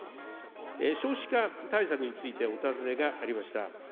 少子化対策についてお尋ねがありました。